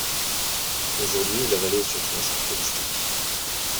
Aujourd'hui, la vallée est surtout un site touristique.